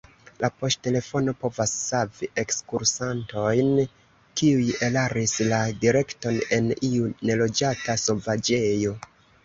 La poŝtelefono povas savi ekskursantojn, kiuj eraris la direkton en iu neloĝata sovaĝejo.